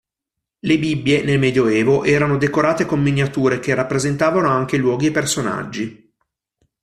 Le Bibbie nel Medioevo erano decorate con miniature che rappresentavano anche luoghi e personaggi.